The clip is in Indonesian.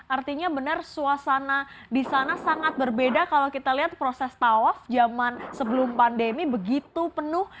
artinya benar suasana di sana sangat berbeda kalau kita lihat proses tawaf zaman sebelum pandemi begitu penuh